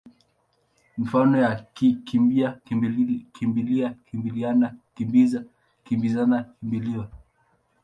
Mifano ni kimbi-a, kimbi-lia, kimbili-ana, kimbi-za, kimbi-zana, kimbi-liwa.